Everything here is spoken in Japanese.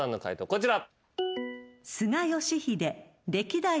こちら。